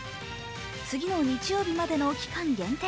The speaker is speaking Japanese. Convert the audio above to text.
次の日曜日までの期間限定。